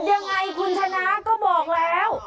ยังไงคุณชนะก็บอกแล้ว